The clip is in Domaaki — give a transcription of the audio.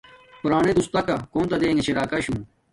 پُرانے دوستاکا کوتا دینے چھے راکا شو